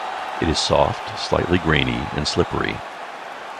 It is soft, slightly grainy, and slippery.